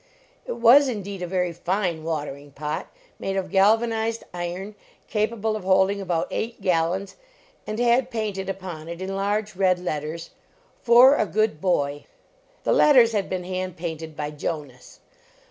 It was indeed a very fine watering pot, made of galvanized iron, capable of holding LEARNING TO WORK about eight gallons, and had painted upon it in large red letters: The letters had been hand painted by Jo nas.